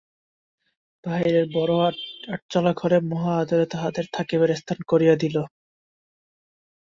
বাহিরের বড় আটচালা ঘরে মহা আদরে তাঁহাদের থাকিবার স্থান করিয়া দিল।